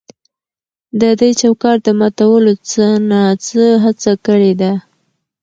د دې چوکاټ د ماتولو څه نا څه هڅه کړې ده.